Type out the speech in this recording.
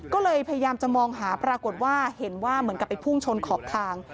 ก็เลยพยายามจะมองหาปรากฏว่าเห็นว่าเหมือนกับไปพุ่งชนขอบทาง